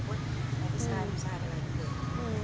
habis sehari habis sehari lagi